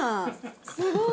すごい。何？